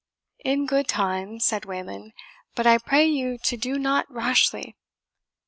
"In good time," said Wayland; "but I pray you to do nought rashly."